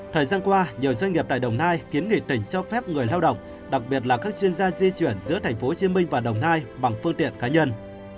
thời gian qua nhiều doanh nghiệp tại đồng nai kiến nghị tỉnh cho phép người lao động đặc biệt là các chuyên gia di chuyển giữa tp hcm và đồng nai bằng phương tiện cá nhân